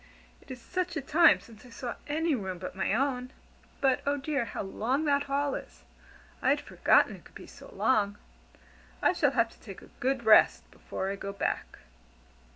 It is such a time since I saw any room but my own! But oh dear, how long that hall is! I had forgotten it could be so long. I shall have to take a good rest before I go back."